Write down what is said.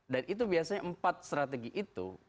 dan itu biasanya empat strategi itu